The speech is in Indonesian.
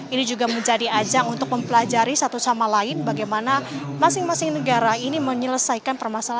ini juga menjadi ajang untuk mempelajari satu sama lain bagaimana masing masing negara ini menyelesaikan permasalahan